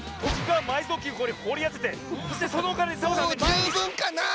もうじゅうぶんかなぁ！